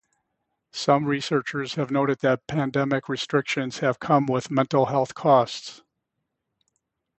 Some researchers have noted that pandemic restrictions have come with mental health costs.